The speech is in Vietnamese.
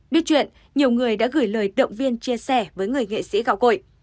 biết chuyện nhiều người đã gửi lời động viên chia sẻ với người nghệ sĩ gạo cội